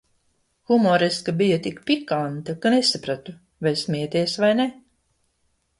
Humoreska bija tik pikanta, ka nesapratu vai smieties vai ne!